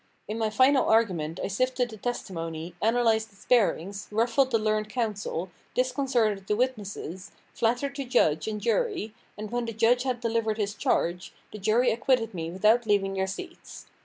In my final argument I sifted the testimony, analyzed its bearings, ruffled the learned counsel, disconcerted the witnesses, flattered the judge and jury, and when the judge had delivered his charge, the jury acquitted me without leaving their seats.